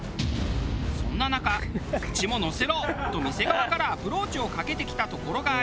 そんな中「うちも載せろ」と店側からアプローチをかけてきた所があり。